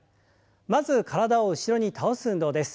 まず体を後ろに倒す運動です。